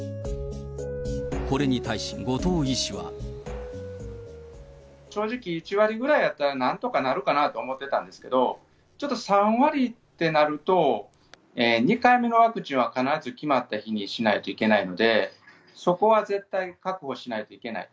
これに対し、正直、１割ぐらいやったらなんとかなるかなと思ってたんですけど、ちょっと３割ってなると、２回目のワクチンは必ず決まった日にしないといけないので、そこは絶対確保しないといけない。